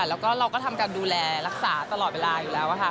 แล้วก็เราก็ทำการดูแลรักษาตลอดเวลาอยู่แล้วค่ะ